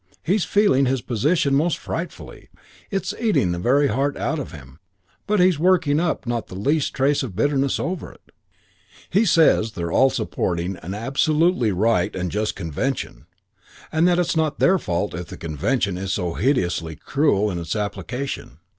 He's feeling his position most frightfully; it's eating the very heart out of him, but he's working up not the least trace of bitterness over it. He says they're all supporting an absolutely right and just convention, and that it's not their fault if the convention is so hideously cruel in its application.